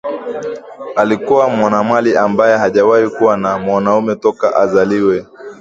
Alikuwa mwanamwali ambaye hajawahi kuwa na mwanamume toka azaliwe